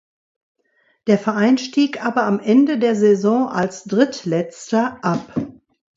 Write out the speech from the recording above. Der Verein stieg aber am Ende der Saison als Drittletzter ab.